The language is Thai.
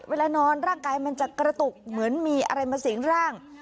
เวลานอนร่างกายมันจะกระตุกเหมือนมีอะไรมาสิงร่าง